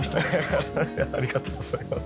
ハハハハありがとうございます。